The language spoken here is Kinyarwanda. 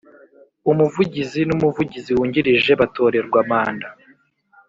Umuvugizi n umuvugizi wungirije batorerwa manda